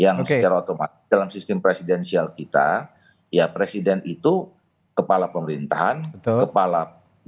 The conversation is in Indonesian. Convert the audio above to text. yang secara otomatis dalam sistem presidensial kita ya presiden itu kepala pemerintahan kepala negara ya juga sebagai pemerintahan